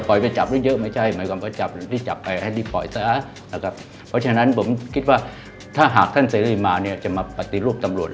เพราะฉะนั้นผมคิดว่าถ้าหากท่านศิริมณ์มาเนี่ยจะมาปฏิรูปตำรวจ